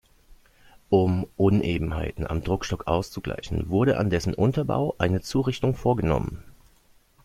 Um Unebenheiten am Druckstock auszugleichen, wurde an dessen Unterbau eine Zurichtung vorgenommen.